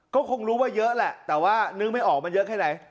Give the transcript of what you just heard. ก็คงรู้ว่าเยอะแหละแต่ว่านึกไม่ออกมันเยอะแค่ไหน